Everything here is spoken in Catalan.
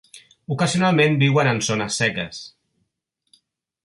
Ocasionalment viuen en zones seques.